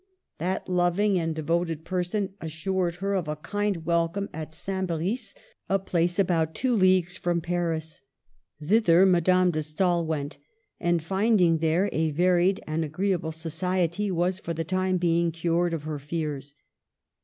That loving and devoted person assured her of a kind Digitized by VjOOQLC NEW FACES AT COPPET. 123 welcome at St. Brice, a place about two leagues from Paris. Thither Madame de Stagl went, and finding there a varied and agreeable society, was for the time being cured of her fears.